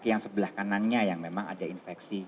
yang sebelah kanannya yang memang ada infeksi